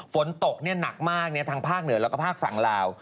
ฝนตกหนักมากทางภาคเหนือแล้วก็ภาคฝั่งลาว